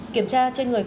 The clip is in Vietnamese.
kiểm tra trên người cơ